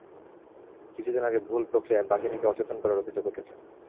কিছুদিন আগে ভুল প্রক্রিয়ায় বাঘিনীকে অচেতন করার অভিযোগ উঠেছে।